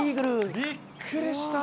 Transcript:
びっくりした。